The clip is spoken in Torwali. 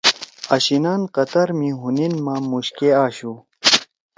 آشینان قطار می حنین ما مُوشکے آشُو۔